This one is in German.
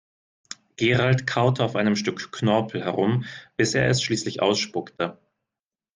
Gerald kaute auf einem Stück Knorpel herum, bis er es schließlich ausspuckte.